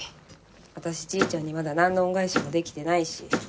私じいちゃんにまだなんの恩返しもできてないし。